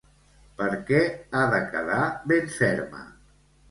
Per què ha de quedar ben ferma?